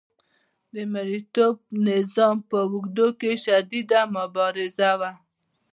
د مرئیتوب نظام په اوږدو کې شدیده مبارزه وه.